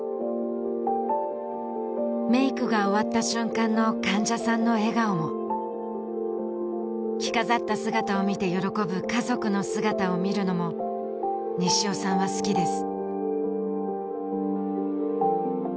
メイクが終わった瞬間の患者さんの笑顔も着飾った姿を見て喜ぶ家族の姿を見るのも西尾さんは好きです